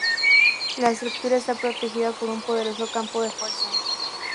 La estructura está protegida por un poderoso campo de fuerza.